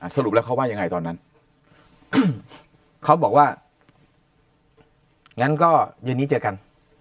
สรุปแล้วเขาว่ายังไงตอนนั้นเขาบอกว่างั้นก็เย็นนี้เจอกัน